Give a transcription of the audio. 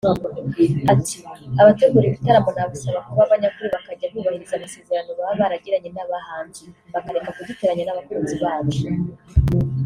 Ati”Abategura ibitaramo nabasaba kuba abanyakuri bakajya bubahiriza amasezerano baba bagiranye n’abahanzi bakareka kuduteranya n’abakunzi bacu